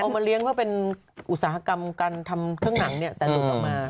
เอามาเลี้ยงเพราะเป็นอุตสาหกรรมการทำเครื่องหนังนี่แต่ลูกออกมาตาย